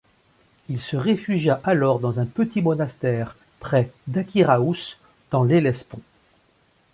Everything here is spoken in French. Il se réfugia alors dans un petit monastère près d'Achyraous, dans l'Hellespont.